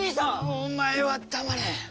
お前は黙れ！